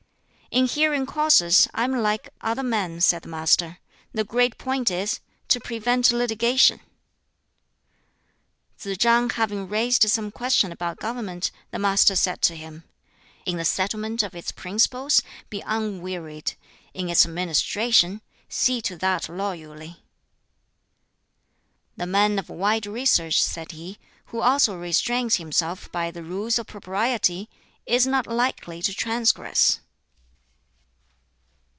"In hearing causes, I am like other men," said the Master. "The great point is to prevent litigation." Tsz chang having raised some question about government, the Master said to him, "In the settlement of its principles be unwearied; in its administration see to that loyally." "The man of wide research," said he, "who also restrains himself by the Rules of Propriety, is not likely to transgress."